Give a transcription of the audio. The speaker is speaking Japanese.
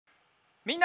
みんな！